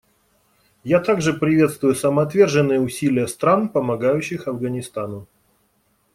Я также приветствую самоотверженные усилия стран, помогающих Афганистану.